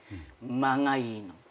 間がいいの。